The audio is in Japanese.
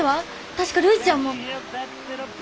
確かるいちゃんも。